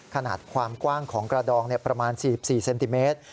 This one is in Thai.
ขนาดความกว้างของกระดองประมาณ๔๔เซนติเมตร